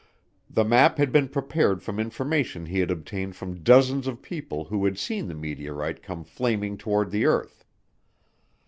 The map had been prepared from information he had obtained from dozens of people who had seen the meteorite come flaming toward the earth.